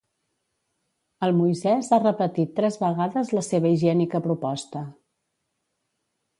El Moisès ha repetit tres vegades la seva higiènica proposta.